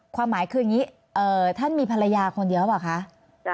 ความหมายคืออย่างนี้ท่านมีภรรยาคนเดียวหรือเปล่าคะ